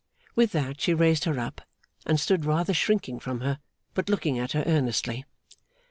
With that she raised her up, and stood rather shrinking from her, but looking at her earnestly.